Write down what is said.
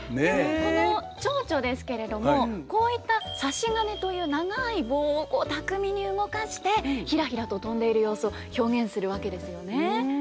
このチョウチョですけれどもこういった差し金という長い棒を巧みに動かしてひらひらと飛んでいる様子を表現するわけですよね。